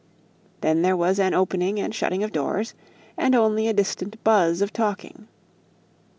Then there was an opening and shutting of doors, and only a distant buzz of talking.